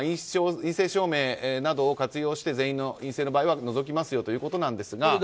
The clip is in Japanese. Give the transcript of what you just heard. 陰性証明などを活用して全員陰性の場合は除きますということですが。